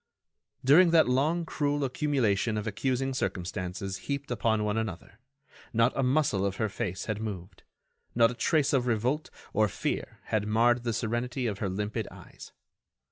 During that long, cruel accumulation of accusing circumstances heaped one upon another, not a muscle of her face had moved, not a trace of revolt or fear had marred the serenity of her limpid eyes.